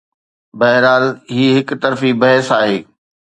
بهرحال، هي هڪ طرفي بحث آهي.